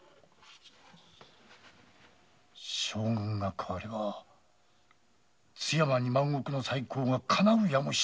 将軍が代われば津山二万石の再興がかなうやもしれんのだ。